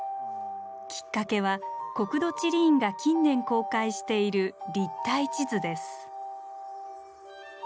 きっかけは国土地理院が近年公開している立体地図です。